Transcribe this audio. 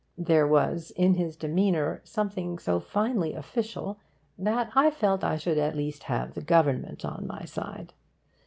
There was in his demeanour something so finely official that I felt I should at least have the Government on my side.